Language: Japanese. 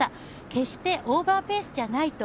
決してオーバーペースじゃないと。